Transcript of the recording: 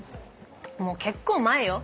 もう結構前よ。